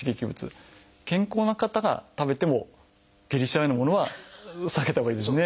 健康な方が食べても下痢しちゃうようなものは避けたほうがいいですね。